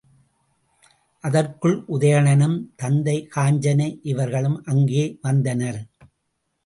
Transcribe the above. அதற்குள் உதயணனும் தத்தை, காஞ்சனை இவர்களும் அங்கே வந்தனர்.